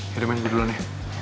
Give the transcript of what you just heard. ya udah man gue duluan ya